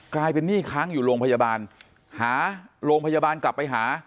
กลายเป็นหนี้ค้างอยู่โรงพยาบาลหาโรงพยาบาลกลับไปหา